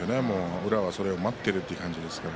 宇良はそれを待っているという感じですから。